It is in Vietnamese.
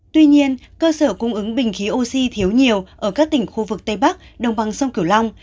tuy nhiên cơ sở cung ứng bình khí oxy thiếu nhiều ở các tỉnh khu vực tây bắc đồng bằng sông cửu long